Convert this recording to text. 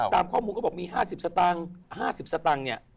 ตามข้อมูลก็บอกมี๕๐สตางค์